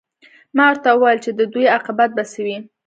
ما ورته وویل چې د دوی عاقبت به څه وي